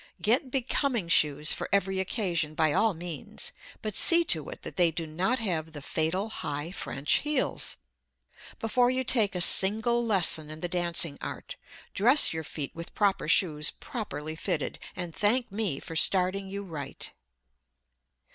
Get becoming shoes for every occasion, by all means, but see to it that they do not have the fatal, high French heels. Before you take a single lesson in the dancing art, dress your feet with proper shoes properly fitted, and thank me for starting you right.